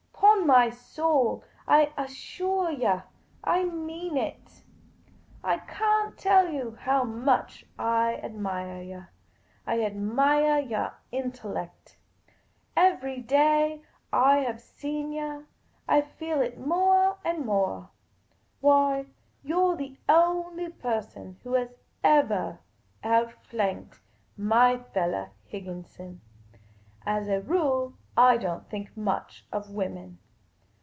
'Pon my soul, I assuah yah, I mean it. I can't tell you how much I admiah yah. The Pea Green Patrician 229 I admiah your intellect. Ever}^ day I have seen yah, I feel it moali and moah. Why, you 're the only person who has evah out flanked my fellah, Higginson. As a rule I don't think much of women.